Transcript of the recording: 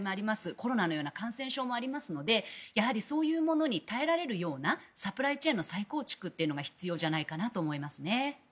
コロナのような感染症もありますのでそういうものに耐えらえるようなサプライチェーンの再構築が必要じゃないかと思いますね。